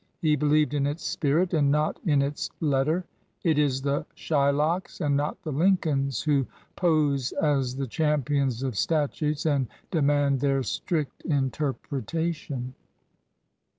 He believed in its spirit and not in its letter. It is the Shylocks and not the Lincolns who pose as the champions of statutes and de mand their strict interpretation.